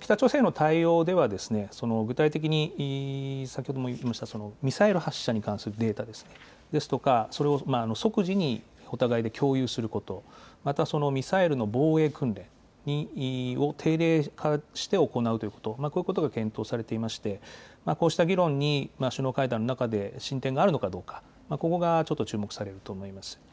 北朝鮮への対応では、具体的に先ほども申しました、ミサイル発射に関するデータですとか、それを即時にお互いで共有すること、またそのミサイルの防衛訓練を定例化して行うということ、こういうことが検討されていまして、こうした議論に首脳会談の中で進展があるのかどうか、ここがちょっと注目されると思います。